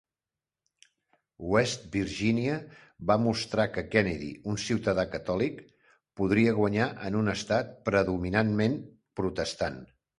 West Virginia va mostrar que Kennedy, un ciutadà catòlic, podria guanyar en un estat predominantment protestant.